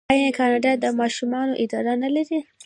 آیا کاناډا د ماشومانو اداره نلري؟